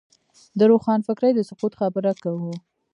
د روښانفکرۍ د سقوط خبره کوو.